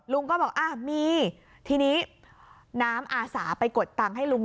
ลุงก็บอกอ่ะมีทีนี้น้ำอาสาไปกดตังค์ให้ลุง